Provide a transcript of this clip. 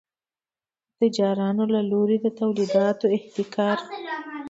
د تجارانو له لوري د تولیداتو احتکار.